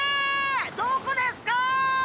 どこですか！